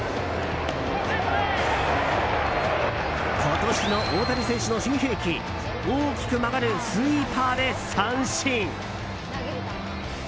今年の大谷選手の新兵器大きく曲がるスイーパーで三振！